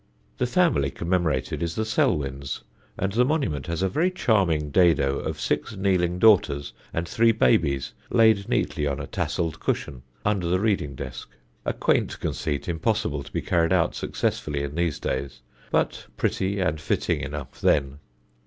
The family commemorated is the Selwyns, and the monument has a very charming dado of six kneeling daughters and three babies laid neatly on a tasseled cushion, under the reading desk a quaint conceit impossible to be carried out successfully in these days, but pretty and fitting enough then.